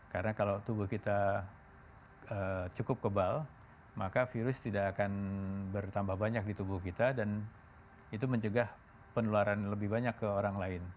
karena kalau tubuh kita cukup kebal maka virus tidak akan bertambah banyak di tubuh kita dan itu mencegah penularan lebih banyak ke orang lain